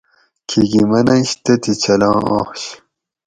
کھیکی منننش تتھیں چھلاں آش